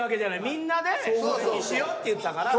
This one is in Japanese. みんなでそれにしようって言ったから。